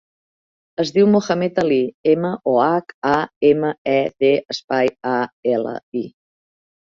Es diu Mohamed ali: ema, o, hac, a, ema, e, de, espai, a, ela, i.